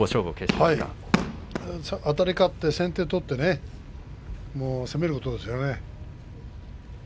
いいあたり勝って先手を取って攻めることですよね。